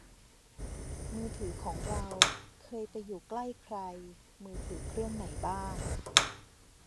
มือถือของเราเคยไปอยู่ใกล้ใครมือถือเครื่องไหนบ้าง